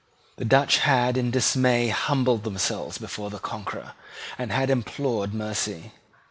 The Dutch had in dismay humbled themselves before the conqueror, and had implored mercy.